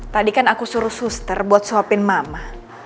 tadi kan aku suruh suster buat soapin mama